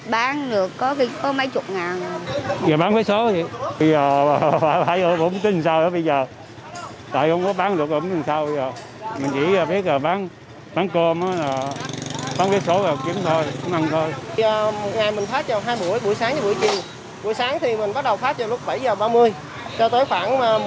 buổi sáng thì buổi chiều buổi sáng thì mình bắt đầu phát cho lúc bảy h ba mươi cho tới khoảng một mươi h ba mươi